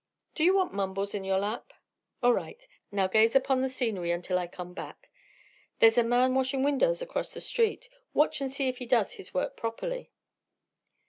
Do you want Mumbles in your lap? All right. Now gaze upon the scenery until I come back. There's a man washing windows across the street; watch and see if he does his work properly."